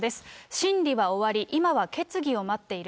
審理は終わり、今は決議を待っている。